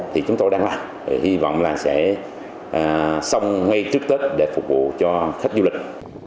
thì chúng tôi đang làm hy vọng là sẽ xong ngay trước tết để phục vụ cho khách du lịch